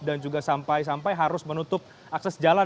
dan juga sampai sampai harus menutup akses jalan